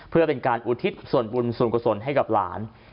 เพื่อเป็นการอุทิศบูรณ์สนกสนให้กับหลาน